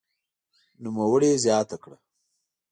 نوموړي زياته کړه